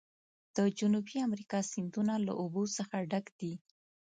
د جنوبي امریکا سیندونه له اوبو څخه ډک دي.